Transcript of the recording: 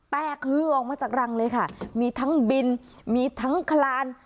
แตกฮือออกมาจากรังเลยค่ะมีทั้งบินมีทั้งคลาน